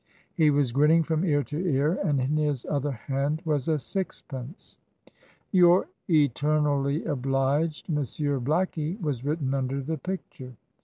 He was grinning from ear to ear, and in his other hand was a sixpence. "Your eternally obliged Monsieur Blackie," was written under the picture.